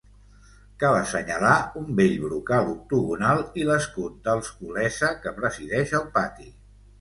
Cal assenyalar un bell brocal octogonal i l’escut dels Olesa, que presideix el pati.